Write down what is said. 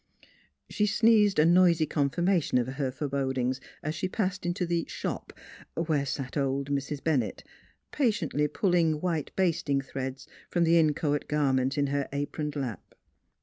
She sneezed a noisy confirmation of her fore bodings, as she passed into the " shop " where sat old Mrs. Bennett, patiently pulling white basting threads from the inchoate garment in her aproned lap.